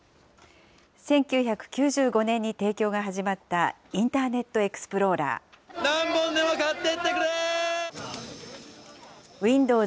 １９９５年に提供が始まったインターネットエクスプローラ何本でも買ってってくれー！